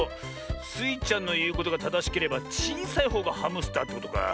スイちゃんのいうことがただしければちいさいほうがハムスターってことか。